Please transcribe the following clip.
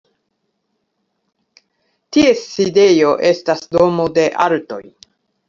Ties sidejo estas Domo de artoj.